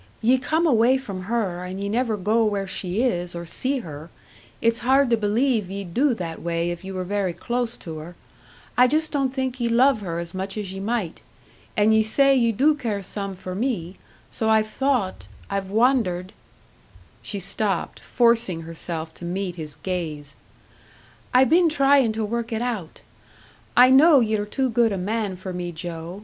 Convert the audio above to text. "Ye come away from her, and ye never go where she is or see her it's hard to believe ye'd do that way if ye were very close to her. I just don't think ye love her as much as ye might. And ye say you do care some for me. So I've thought I've wondered " She stopped, forcing herself to meet his gaze: "I been tryin' to work it out! I know ye're too good a man for me, Joe.